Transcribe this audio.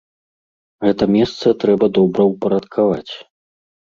Гэта месца трэба добраўпарадкаваць.